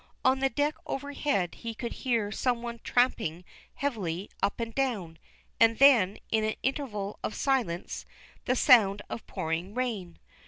On the deck overhead he could hear some one tramping heavily up and down, and then, in an interval of silence, the sound of pouring rain.